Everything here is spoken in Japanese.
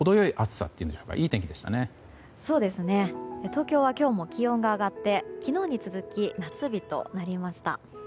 東京は今日も気温が上がって昨日に続き、夏日となりました。